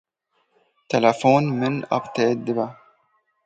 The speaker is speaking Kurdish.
Telefon min appdêt dibe.